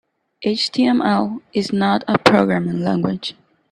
HTML is not a programming language.